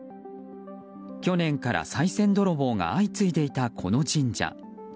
去年からさい銭泥棒が相次いでいたこの神社。